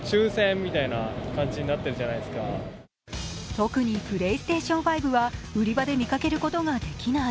特にプレイステーション５は売り場で見かけることができない。